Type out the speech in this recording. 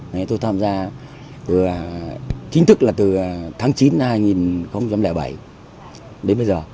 thế tôi tham gia chính thức là từ tháng chín năm hai nghìn bảy đến bây giờ